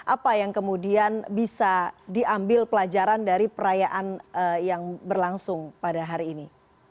apa yang kemudian bisa diambil pelajaran dari perayaan yang berlangsung pada hari ini